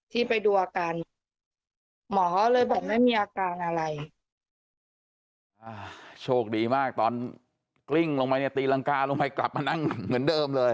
ที่ไปดูอาการหมอเขาเลยบอกไม่มีอาการอะไรอ่าโชคดีมากตอนกลิ้งลงไปเนี่ยตีรังกาลงไปกลับมานั่งเหมือนเดิมเลย